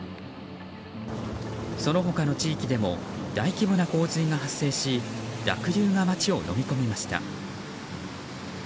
その他の地域でも大規模な洪水が発生し濁流が街をのみ込みました。